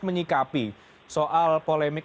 menyikapi soal polemik